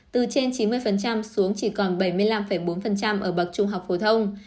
từ trên chín mươi xuống chỉ còn bảy mươi năm bốn ở bậc trung học phổ thông